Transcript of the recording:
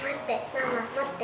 ママ待って。